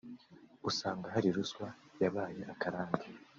usanga hari ruswa yabaye akarande